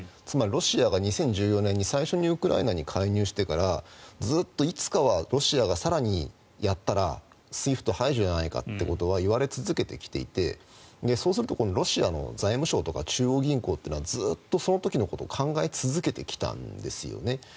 つまりロシアが２０１４年に最初にウクライナに介入してからずっと、いつかはロシアが更にやったらＳＷＩＦＴ排除じゃないかということは言われ続けてきていてそうするとロシアの財務省とか中央銀行というのはずっとその時のことを考え続けてきたんですよね。